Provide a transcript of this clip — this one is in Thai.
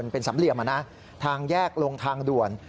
เป็นสามเหลี่ยมทางแยกลงทางด่วน